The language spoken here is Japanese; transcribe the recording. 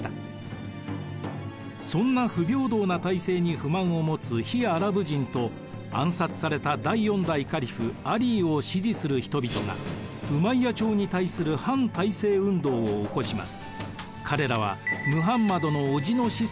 そんな不平等な体制に不満を持つ非アラブ人と暗殺された第４代カリフアリーを支持する人々がウマイヤ朝に対する反体制運動を起こします。